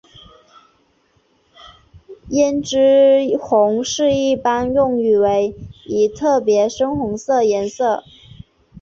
胭脂红是一般用语为一特别深红色颜色。